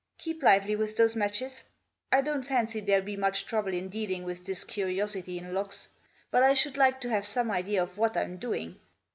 Keep lively with those matches. I don't fancy there'll be much trouble in dealing with this curiosity in locks ; but I should like to have some idea of what Fm doing.